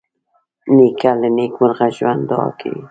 نیکه له نیکمرغه ژوند دعا کوي.